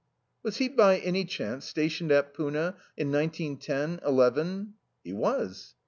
"Was he by any chance stationed at Poona in nineteen ten, eleven?" "He was."